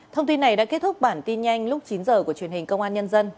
thông tin này đã kết thúc bản tin nhanh lúc chín h của truyền hình công an nhân dân